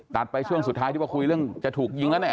ไปช่วงสุดท้ายที่ว่าคุยเรื่องจะถูกยิงแล้วเนี่ย